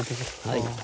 はい。